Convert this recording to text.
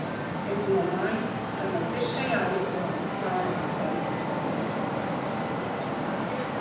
Es domāju, ka tas ir šajā likumā pārāk svarīgs moments.